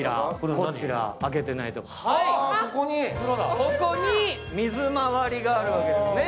ここに水まわりがあるわけですね。